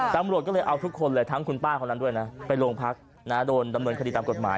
ตำรวจก็เลยเอาทุกคนเลยทั้งคุณป้าคนนั้นด้วยนะไปโรงพักนะโดนดำเนินคดีตามกฎหมาย